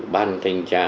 ban thanh tra